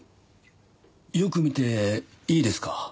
よく見ていいですか？